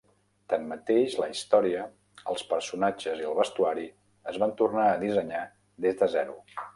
Tanmateix, la història, els personatges i el vestuari es van tornar a dissenyar des de zero.